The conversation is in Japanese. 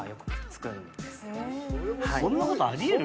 そんなことあり得る？